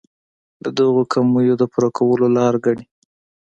د دغو کمیو د پوره کولو لاره ګڼي.